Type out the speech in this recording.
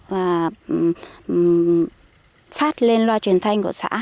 và phát lên loa truyền thanh của xã